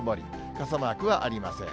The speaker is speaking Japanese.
傘マークはありません。